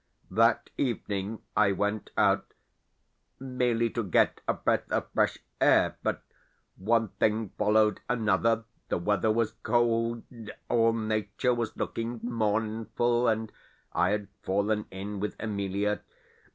That evening I went out merely to get a breath of fresh air, but one thing followed another the weather was cold, all nature was looking mournful, and I had fallen in with Emelia.